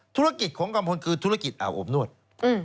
ธุรกิจของกัมพลคือธุรกิจอาบอบนวด